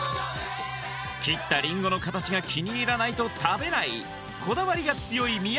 切ったリンゴの形が気に入らないと食べない・えっ！